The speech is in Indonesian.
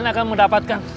kalian akan mendapatkan